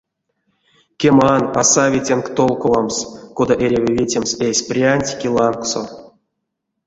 Кеман, а сави тенк толковамс, кода эряви ветямс эсь прянть ки лангсо.